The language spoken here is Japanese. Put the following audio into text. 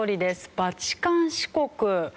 バチカン市国。